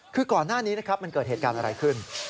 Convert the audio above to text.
คือก่อนหน้านี้นะครับมันเกิดเหตุการณ์อะไรขึ้น